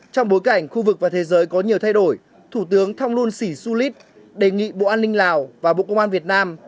trong bối cảnh khu vực và thế giới có nhiều thay đổi thủ tướng thong luôn sinh su lít đề nghị bộ an ninh lào và bộ công an việt nam